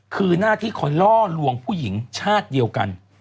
คือหน้าที่คอยล่อลวงผู้หญิงชาติเดียวกัน